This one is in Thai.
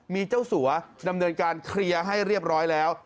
มีเจ้าสัวดำเนินการเคลียร์ให้เรียบร้อยแล้ว